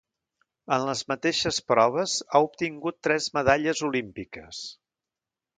En les mateixes proves ha obtingut tres medalles olímpiques.